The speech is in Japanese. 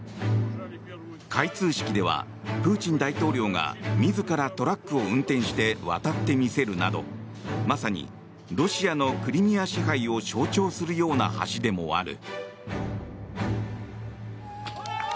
開通式ではプーチン大統領が自らトラックを運転して渡ってみせるなどまさにロシアのクリミア支配を象徴するような橋でもある。